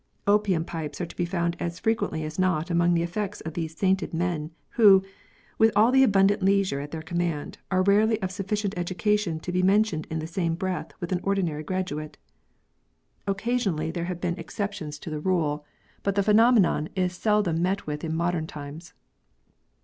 Opium pipes are to be found as frequently as not among the effects of these sainted men, who, with all the abundant leisure at their command, are rarely of sufficient education to be mentioned in the same breath with an ordinary graduate. Occasionally there have been exceptions 90 B UDDHIST PRIESTS. to the rule, but the phenomenon is seldom met with in modern times.